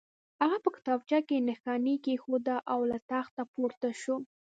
هغه په کتابچه کې نښاني کېښوده او له تخت پورته شو